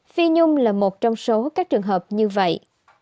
phi nhung là một trong số các trường hợp như vậy